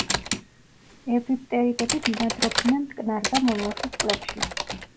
ევრიპტერიდები ბინადრობდნენ მტკნარ და მომლაშო წყლებში.